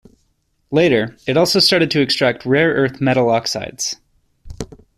Later, it also started to extract rare earth metal oxides.